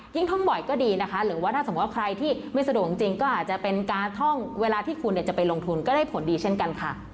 ท่องบ่อยก็ดีนะคะหรือว่าถ้าสมมุติว่าใครที่ไม่สะดวกจริงก็อาจจะเป็นการท่องเวลาที่คุณจะไปลงทุนก็ได้ผลดีเช่นกันค่ะ